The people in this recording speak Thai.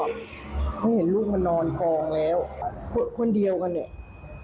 เขาเห็นลูกมานอนกองแล้วคนเดียวกันเนี่ย